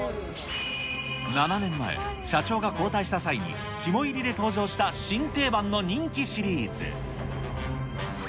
７年前、社長が交代した際に、肝いりで登場した新定番の人気シリーズ。